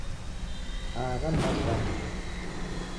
Agha ni mavi gha mburi